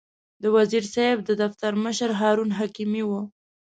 د وزیر صاحب د دفتر مشر هارون حکیمي و.